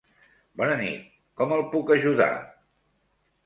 Bona nit, com el puc ajudar?